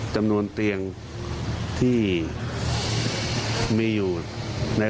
ขอเลื่อนเลื่อนสิ่งที่คุณหนูรู้สึก